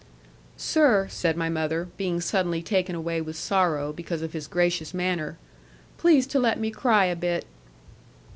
'Sir,' said my mother, being suddenly taken away with sorrow, because of his gracious manner, 'please to let me cry a bit.'